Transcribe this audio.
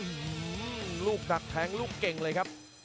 อืมมมมมลูกดักแทงลูกเก่งเลยครับ